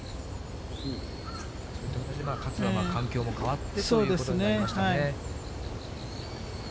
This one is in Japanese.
勝は環境も変わってということになりましたね。